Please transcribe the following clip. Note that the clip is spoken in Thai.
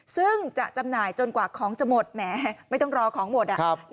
ซึ่งจะจำหน่ายจนกว่าของจะหมดแหมไม่ต้องรอของหมด